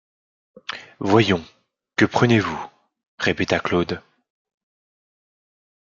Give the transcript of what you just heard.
Voyons, que prenez-vous? répéta Claude.